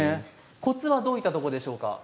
コツはどういったところでしょうか？